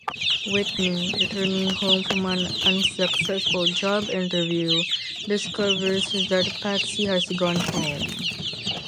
Whitney, returning home from an unsuccessful job interview, discovers that Patsy has gone home.